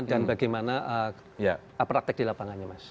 dan bagaimana praktek di lapangannya mas